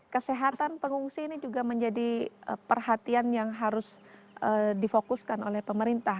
kesehatan pengungsi ini juga menjadi perhatian yang harus difokuskan oleh pemerintah